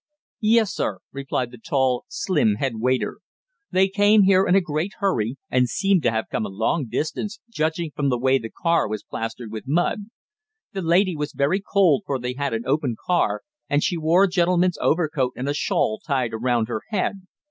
"Yes, sir," replied the tall, slim head waiter. "They came here in a great hurry, and seemed to have come a long distance, judging from the way the car was plastered with mud. The lady was very cold, for they had an open car, and she wore a gentleman's overcoat and a shawl tied around her head.